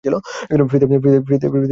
ফ্রি-তে কুমড়োর যত্ন করব।